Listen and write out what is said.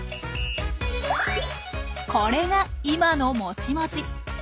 これが今のもちもち。